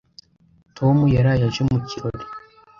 Tom yaraye aje mu kirori.